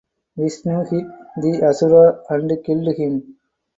Vishnu hit the asura and killed him.